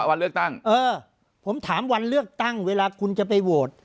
วันเลือกตั้งเออผมถามวันเลือกตั้งเวลาคุณจะไปโหวต